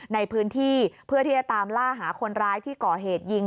ในพื้นที่เพื่อที่จะตามล่าหาคนร้ายที่ก่อเหตุยิง